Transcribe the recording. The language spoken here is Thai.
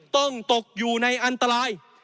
ต้องตกอยู่ในอันตราย